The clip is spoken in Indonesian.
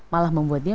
malah membuat dia